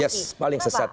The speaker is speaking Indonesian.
ya paling sesat